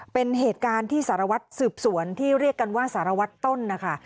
เป็นเหตุการณ์ที่สารวัตรสืบสวนที่เรียกกันว่าสารวัตรต้นนะคะ